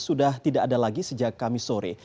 sudah tidak ada lagi sejak kamis sore